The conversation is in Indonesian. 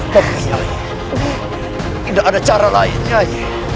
tidak ada cara lain nyai